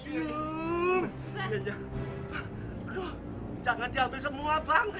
iya iya iya aduh jangan diambil semua bang